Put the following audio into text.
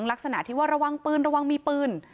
ลักษณะที่ว่าระวังปืนระวังมีปืน